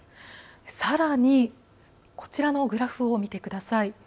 さらに、こちらのグラフを見てください。